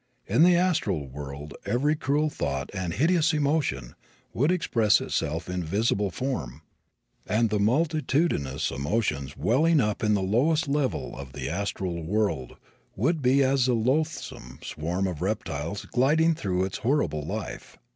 In the astral world every cruel thought and hideous emotion would express itself in visible form and the multitudinous emotions welling up in the lower level of the astral world would be as a loathsome swarm of reptiles gliding through its horrible life.